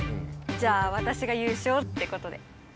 じゃあ私が優勝ってことで。